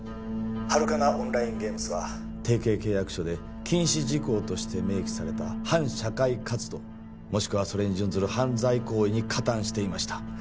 ハルカナ・オンライン・ゲームズは提携契約書で禁止事項として明記された反社会活動もしくはそれに準ずる犯罪行為に加担していました